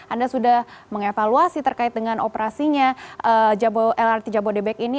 anda sudah mengevaluasi terkait dengan operasinya lrt jabodebek ini